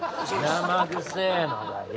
生臭えのがよ